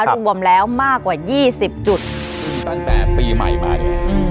รวมแล้วมากกว่า๒๐จุดตั้งแต่ปีใหม่มาเนี่ย